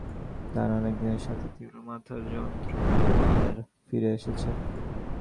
তাঁর অনেক দিনের সাথী তীব্র মাথার যন্ত্রণা আবার ফিরে এসেছে।